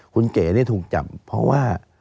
คุณเก๋ถูกจับเพราะว่า